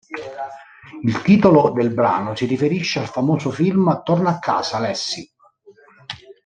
Il titolo del brano si riferisce al famoso film "Torna a casa, Lassie!